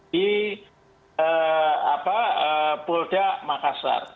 di spolda makassar